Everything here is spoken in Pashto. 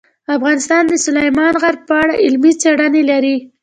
افغانستان د سلیمان غر په اړه علمي څېړنې لري.